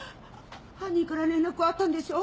犯人から連絡はあったんでしょう？